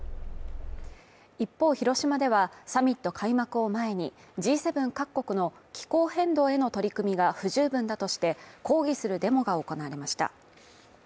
一方、広島ではサミット開幕を前に、Ｇ７各国の気候変動への取り組みが不十分だとして抗議するデモが行われました。